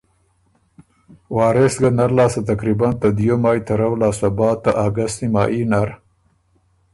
وارث ګه نر لاسته تقریباً ته دیو مای ترؤ لاسته بعد ته اګست نیمايي نر